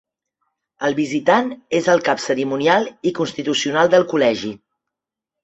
El Visitant és el cap cerimonial i constitucional del col·legi.